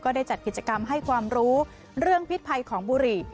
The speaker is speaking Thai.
ได้จัดกิจกรรมให้ความรู้เรื่องพิษภัยของบุหรี่